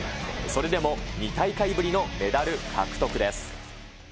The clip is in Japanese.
それでも２大会ぶりのメダル獲得です。